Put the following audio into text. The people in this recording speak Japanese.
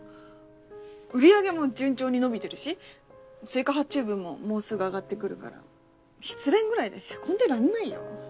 売り上げも順調に伸びてるし追加発注分ももうすぐ上がってくるから失恋ぐらいでヘコんでらんないよ。